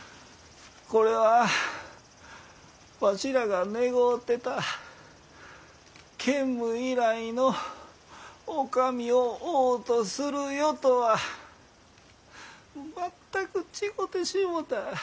これはわしらが願うてた建武以来のお上を王とする世とは全く違うてしもた。